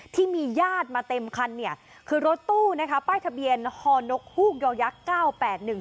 ที่มีญาติมาเต็มคันเนี่ยคือรถตู้นะคะป้ายทะเบียนฮอนกฮูกยอยักษ์เก้าแปดหนึ่ง